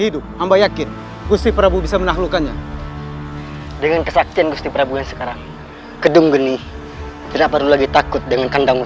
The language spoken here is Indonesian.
tidak kau tidak bisa melarikan diri dari anak panah